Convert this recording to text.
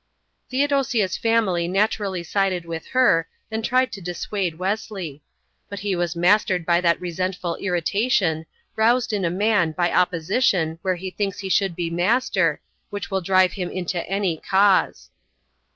Theodosia's family naturally sided with her and tried to dissuade Wesley. But he was mastered by that resentful irritation, roused in a man by opposition where he thinks he should be master, which will drive him into any cause.